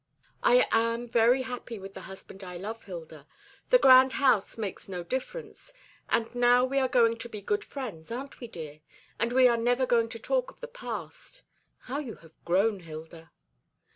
"I am very happy with the husband I love, Hilda. The grand house makes no difference. And now we are going to be good friends, aren't we, dear? and we are never going to talk of the past. How you have grown, Hilda!"